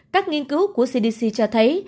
các nghiên cứu của cdc cho thấy